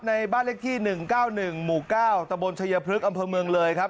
ในบ้านเลขที่๑๙๑หมู่๙ตะบนชายพลึกอำเภอเมืองเลยครับ